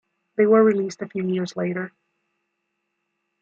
They were released a few years later.